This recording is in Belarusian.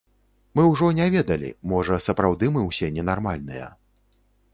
Мы ўжо не ведалі, можа сапраўды мы ўсе ненармальныя.